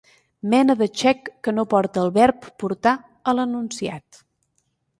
Mena de xec que no porta el verb portar a l'enunciat.